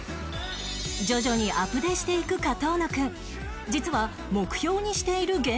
徐々にアプデしていく上遠野くん